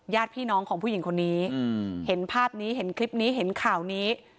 ญาติพี่น้องของผู้หญิงคนนี้เห็นภาพนี้เห็นคลิปนี้เห็นข่าวนี้